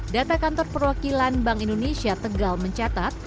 data kantor perwakilan bank indonesia tegal mencatat